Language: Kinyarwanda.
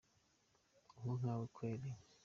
ako nkawe kweri?????